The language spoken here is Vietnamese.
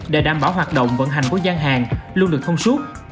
để đảm bảo hoạt động vận hành của gian hàng luôn được thông suốt